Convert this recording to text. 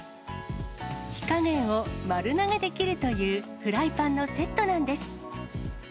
火加減を丸投げできるというフライパンのセットなんです。